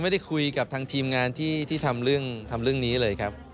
ไม่ได้คุยกับทางทีมงานที่ทำเรื่องนี้เลยครับ